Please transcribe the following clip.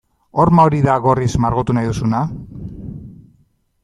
Horma hori da gorriz margotu nahi duzuna?